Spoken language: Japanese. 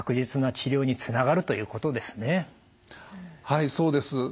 はいそうです。